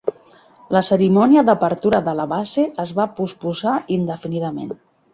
La cerimònia d'apertura de la base es va posposar indefinidament.